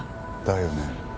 だよね。